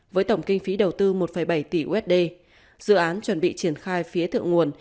với tổng kinh phí đầu tư một bảy tỷ usd dự án chuẩn bị triển khai phía thượng nguồn